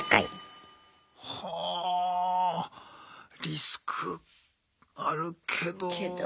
リスクあるけど。